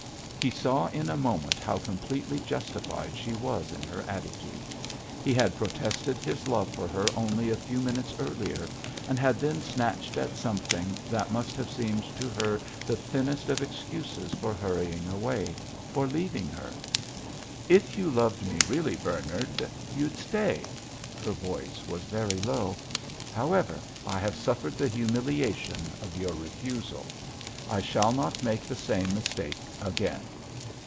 He saw in a moment how completely justified she was in her attitude. He had protested his love for her only a few minutes earlier, and had then snatched at something that must have seemed to her the thinnest of excuses for hurrying away—for leaving her. "If you loved me really, Bernard, you'd stay." Her voice was very low. "However, I have suffered the humiliation of your refusal. I shall not make the same mistake again."